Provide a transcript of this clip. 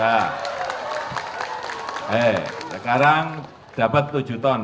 hei sekarang dapat tujuh ton